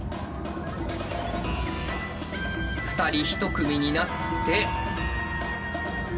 ２人１組になって。